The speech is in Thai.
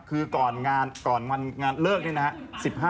คือก่อนงานเลิกเนี่ยนะฮะ